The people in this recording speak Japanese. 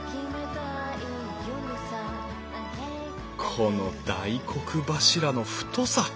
この大黒柱の太さ。